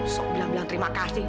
sok bilang belang terima kasih